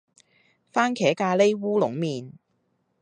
番茄咖哩烏龍麵